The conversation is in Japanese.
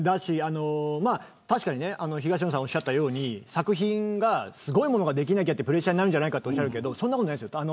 確かに、東野さんがおっしゃったように作品がすごいものができなきゃとプレッシャーがあるんじゃないかとおっしゃいますがそんなことないです。